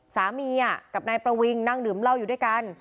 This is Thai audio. สามีกับนายประวิงนั่งดื่มเหล้าอยู่ด้วยกัน